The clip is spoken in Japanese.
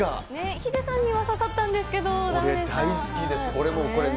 ヒデさんには刺さったんですけど、だめでしたね。